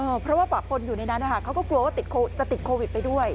เพราะว่าบางคนอยู่ในนั้นนะคะเขาก็กลัวว่าจะติดโควิดไปด้วย